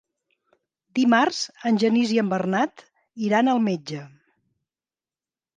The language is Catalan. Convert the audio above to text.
Dimarts en Genís i en Bernat iran al metge.